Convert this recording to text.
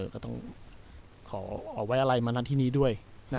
ก็ต้องขอเอาไว้อะไรมานั้นที่นี่ด้วย